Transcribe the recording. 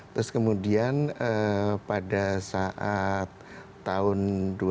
terus kemudian pada saat tahun dua ribu empat belas